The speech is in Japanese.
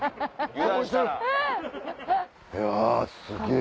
いやすげぇ！